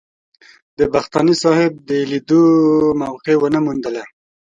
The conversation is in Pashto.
د بختاني صاحب د لیدو موقع ونه موندله.